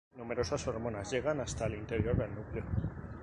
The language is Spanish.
Numerosas hormonas llegan hasta el interior del núcleo.